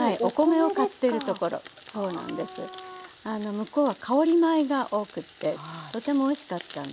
向こうは香り米が多くてとてもおいしかったんですけどね。